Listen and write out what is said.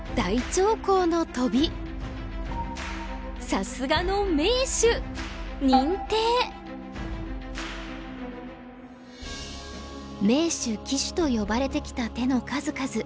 さすがの名手・鬼手と呼ばれてきた手の数々。